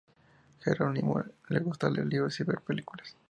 Jerónimo le gusta leer libros y ver películas.